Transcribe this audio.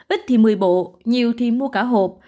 ít thì một mươi bộ nhiều thì mua cả hộp